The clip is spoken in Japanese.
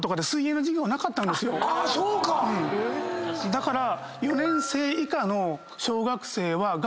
だから。